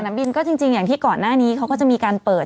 บินก็จริงอย่างที่ก่อนหน้านี้เขาก็จะมีการเปิด